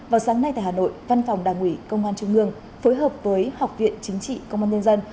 vào sáng nay tại hà nội văn phòng đảng ủy công an trung ương phối hợp với học viện chính trị công an nhân dân